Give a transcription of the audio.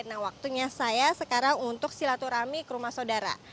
nah waktunya saya sekarang untuk silaturahmi ke rumah saudara